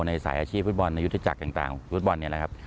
ในสายอาชีพฤทธิบอลในยุทธิจักรต่างฤทธิบอลนี่แหละครับ